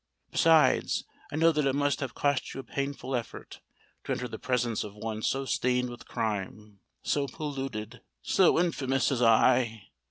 Besides, I know that it must have cost you a painful effort, to enter the presence of one so stained with crime—so polluted—so infamous as I!"